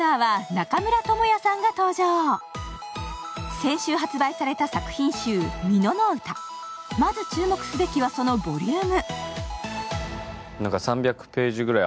先週発売された「蓑詩」まず注目すべきはそのボリューム。